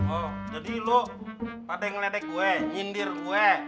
oh jadi lo pada yang meledek gue nyindir gue